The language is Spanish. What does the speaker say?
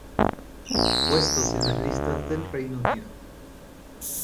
Puestos en las listas del Reino Unido.